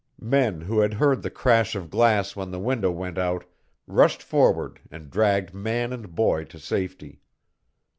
Men who had heard the crash of glass when the window went out rushed forward and dragged man and boy to safety.